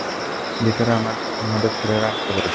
ভেতরে আমাদের ছেলেরা আটকা পড়েছে।